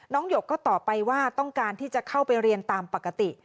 หยกก็ตอบไปว่าต้องการที่จะเข้าไปเรียนตามปกติ